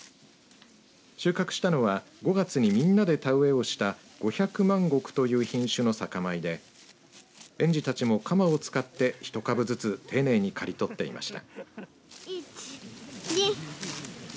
収穫したのは５月にみんなで田植えをした五百万石という品種の酒米で園児たちも、鎌を使ってひと株ずつ、丁寧に刈り取っていました。